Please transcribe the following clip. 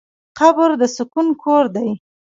قبر د سکون کور دی.